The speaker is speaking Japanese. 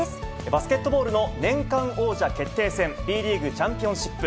バスケットボールの年間王者決定戦、Ｂリーグチャンピオンシップ。